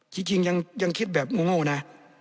จริงยังคิดแบบโง่นะ